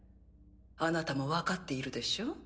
あなたも分かっているでしょ？